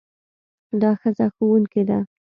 دا ښځه ښوونکې ده.